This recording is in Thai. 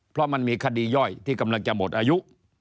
เพราะมันมีคดีย่อยที่กำลังจะหมดอายุ